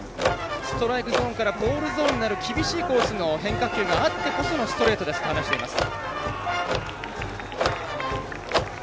ストライクゾーンからボールゾーンになる厳しいコースの変化球があってこそのストレートですと話しています。